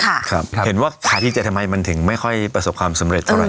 ค่ะครับเห็นว่าขาดที่เจธมัยมันถึงไม่ค่อยประสบความสำเร็จเท่าไหร่